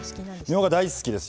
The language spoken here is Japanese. みょうが大好きです。